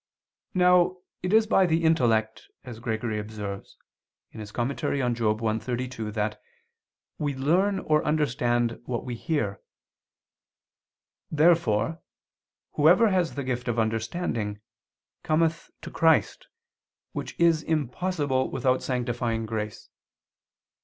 Now it is by the intellect, as Gregory observes (Moral. i, 32), that we learn or understand what we hear. Therefore whoever has the gift of understanding, cometh to Christ, which is impossible without sanctifying grace.